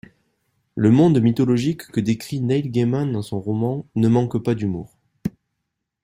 Le monde mythologique que décrit Neil Gaiman dans son roman ne manque pas d'humour.